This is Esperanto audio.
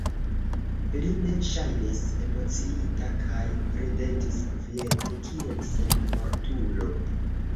Li ne ŝajnis emociita, kaj ridetis kviete, kiel senmortulo.